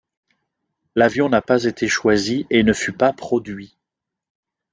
L'avion n'a pas été choisi et ne fut pas produit.